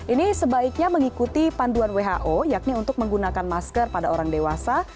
ini sebaiknya mengikuti panduan who yakni untuk menggunakan masker pada orang dewasa